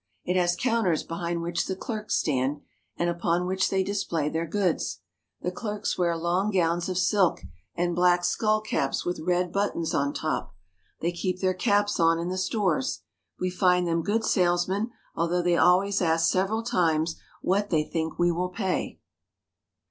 It has counters behind which the clerks stand, and upon which they display their goods. The clerks wear long gowns of silk, and black skullcaps with red buttons on top. They keep their caps on in the stores. We find them good salesmen, although they always ask several times what they think we will pay.